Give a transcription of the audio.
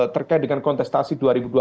terkait dengan kontestasi dua ribu dua puluh